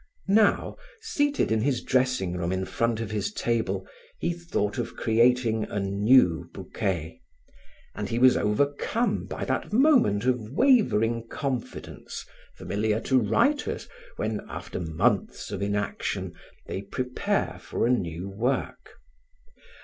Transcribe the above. Now, seated in his dressing room in front of his table, he thought of creating a new bouquet; and he was overcome by that moment of wavering confidence familiar to writers when, after months of inaction, they prepare for a new work.